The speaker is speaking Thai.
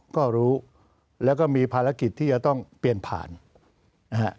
ก็รู้แล้วก็มีภารกิจที่จะต้องเปลี่ยนผ่านนะฮะ